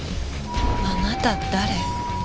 あなた誰？